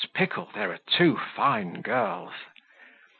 Pickle, there are two fine girls!"